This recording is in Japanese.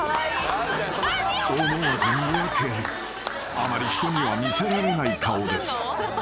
［あまり人には見せられない顔です］